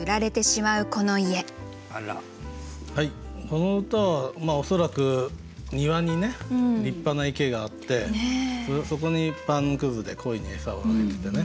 この歌は恐らく庭にね立派な池があってそこにパンくずで鯉に餌をあげててね。